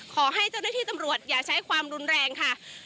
ขอให้เจ้าหน้าที่ตำรวจอย่าใช้ความรุนแรงค่ะ